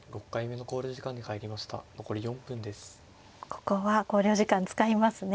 ここは考慮時間使いますね。